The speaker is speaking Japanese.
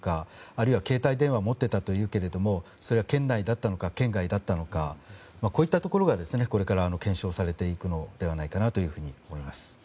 あるいは携帯電話を持っていたと言うけれどもそれは圏内だったのか圏外だったのかこういったところがこれから検証されていくのではないかと思います。